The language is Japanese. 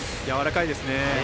やわらかいですね。